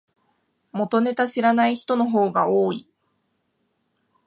元ネタ知らない人の方が多い